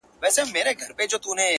په دغه صورت مو وساتی وطن خپل٫